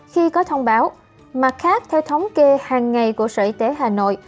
khi có thông báo mặt khác theo thống kê hàng ngày của sở y tế hà nội